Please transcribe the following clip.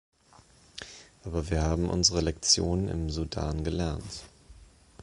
Aber wir haben unsere Lektion im Sudan gelernt.